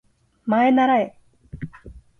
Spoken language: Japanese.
まえならえ